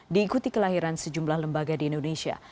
diikuti kelahiran sejumlah lembaga di indonesia